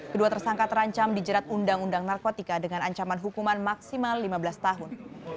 kedua tersangka terancam dijerat undang undang narkotika dengan ancaman hukuman maksimal lima belas tahun